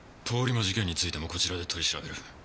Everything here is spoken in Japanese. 通り魔事件についてもこちらで取り調べる。